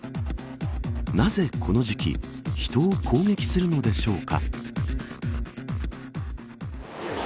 なぜこの時期人を攻撃するのでしょうか。